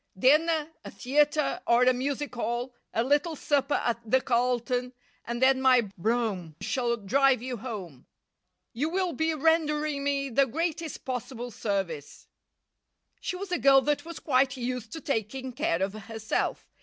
Dinner, a theatre or a music hall, a little supper at the Carlton, and then my brougham shall drive you home. You will be rendering me the greatest possible service." She was a girl that was quite used to taking care of herself.